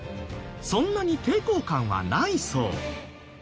そんなに抵抗感はないそう。